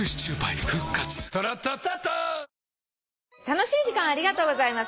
「楽しい時間ありがとうございます」